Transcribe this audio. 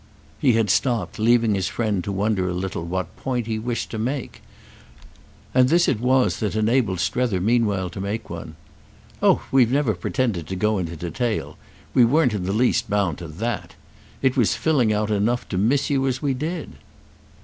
He had stopped, leaving his friend to wonder a little what point he wished to make; and this it was that enabled Strether meanwhile to make one. "Oh we've never pretended to go into detail. We weren't in the least bound to that. It was 'filling out' enough to miss you as we did."